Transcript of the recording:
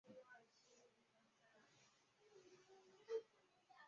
当时英属缅甸是英属印度之下的一省。